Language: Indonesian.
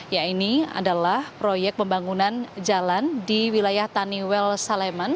yaitu proyek pembangunan jalan di wilayah taniwel saleman